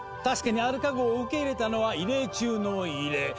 確かにアルカ号を受け入れたのは異例中の異例。